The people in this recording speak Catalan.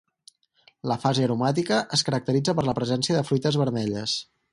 La fase aromàtica es caracteritza per la presència de fruites vermelles.